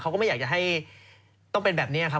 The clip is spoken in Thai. ก็ไม่อยากจะให้ต้องเป็นแบบนี้ครับ